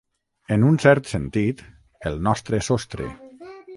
En un cert sentit, el nostre sostre.